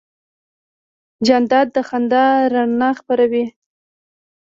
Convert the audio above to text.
جانداد د خندا رڼا خپروي.